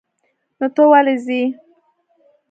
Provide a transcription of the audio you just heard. نو ته ولې ځې؟